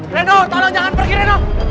reno tolong jangan pergi reno